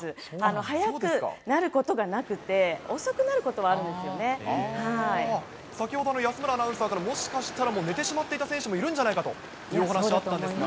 早くなることがなくって、遅くな先ほど、安村アナウンサーから、もしかしたら、もう寝てしまっていた選手もいるんじゃないかというお話あったんですが。